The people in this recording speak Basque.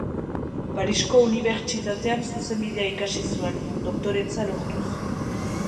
Parisko Unibertsitatean zuzenbidea ikasi zuen, doktoretza lortuz.